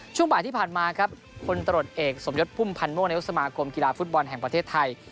ช่วงบ่ายที่ผ่านมาครับคนตรวจเอกสมยศพุ่มพันธ์ม่วงนายกสมาคมกีฬาฟุตบอลแห่งประเทศไทย